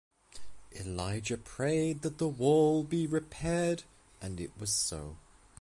Elijah prayed that the wall be repaired and it was so.